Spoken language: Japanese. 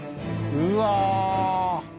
うわ！